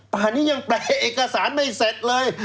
ป่านนี้ยังแปลเอกสารไม่เสร็จเลย